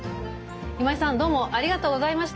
今井さんどうもありがとうございました。